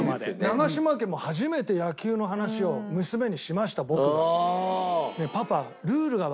長嶋家も初めて野球の話を娘にしました僕が。